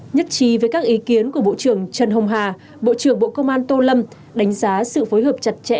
nhất trí với các ý kiến của bộ trưởng trần hồng hà bộ trưởng bộ công an tô lâm đánh giá sự phối hợp chặt chẽ